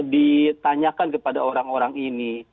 ditanyakan kepada orang orang ini